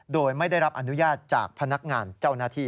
โดยไม่ได้รับอนุญาตจากพนักงานเจ้าหน้าที่